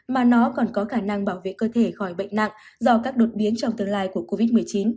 mà nó còn có khả năng bảo vệ cơ thể khỏi bệnh nặng do các đột biến trong tương lai của covid một mươi chín